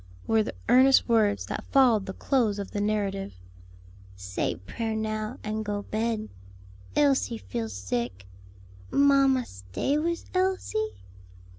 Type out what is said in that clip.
were the earnest words that followed the close of the narrative. "Say prayer now, and go bed. Elsie feel sick. Mamma, stay wis Elsie?"